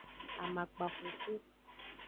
Amakpa xuxu.